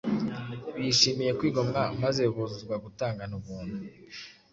bishimiye kwigomwa maze buzuzwa gutangana ubuntu.